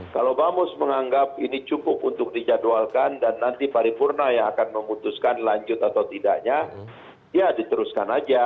kalau bamus menganggap ini cukup untuk dijadwalkan dan nanti paripurna yang akan memutuskan lanjut atau tidaknya ya diteruskan aja